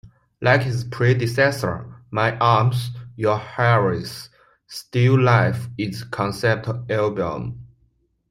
Like its predecessor, "My Arms, Your Hearse", "Still Life" is a concept album.